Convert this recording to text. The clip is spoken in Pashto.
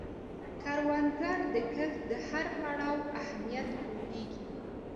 کروندګر د کښت د هر پړاو اهمیت پوهیږي